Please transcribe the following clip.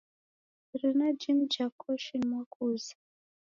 Irina jimu ja koshi ni mwakuza.